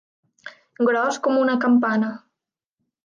Gros com una campana.